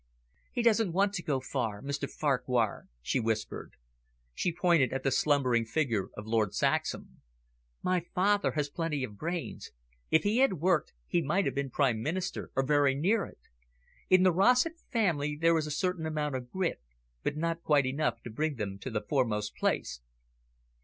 "He doesn't want to go far, Mr Farquhar," she whispered. She pointed at the slumbering figure of Lord Saxham. "My father has plenty of brains; if he had worked, he might have been Prime Minister, or very near it. In the Rossett family, there is a certain amount of grit, but not quite enough to bring them to the foremost place."